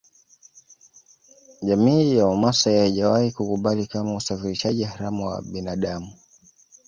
Jamii ya Wamasai haijawahi kukubali kamwe usafirishaji haramu wa binadamu